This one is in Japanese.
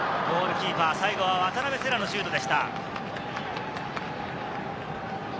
ゴールキーパー、最後は渡邊星来のシュートでした。